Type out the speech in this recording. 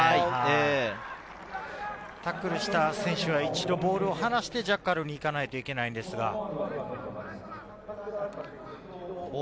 タックルした選手は１人ボールを離してジャッカルにいかないといけないんですが。